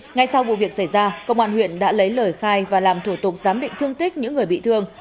ngay sau vụ việc xảy ra công an huyện đã lấy lời khai và làm thủ tục giám định thương tích những người bị thương